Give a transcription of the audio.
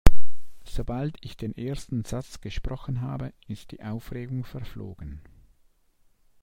Sobald ich den ersten Satz gesprochen habe, ist die Aufregung verflogen.